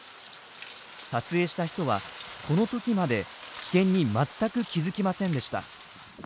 撮影した人はこのときまで危険に全く気付きませんでした。